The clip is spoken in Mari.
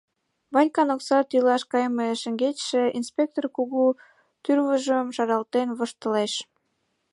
Ванькан окса тӱлаш кайыме шеҥгечше инспектор кугу тӱрвыжым шаралтен воштылеш: